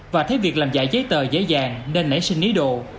và thấy việc làm giải giấy tờ dễ dàng nên nảy sinh ý đồ